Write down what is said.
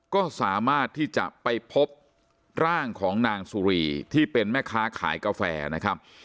ก็สามารถที่จะไปพบร่างของนางสุรีที่เป็นแม่ค้าขายกาแฟนะครับ